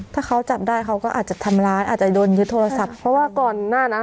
ถ้าเขาจับได้เขาก็อาจจะทำร้ายอาจจะโดนยึดโทรศัพท์เพราะว่าก่อนหน้านั้น